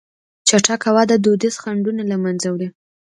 چټکه وده دودیز خنډونه له منځه وړي.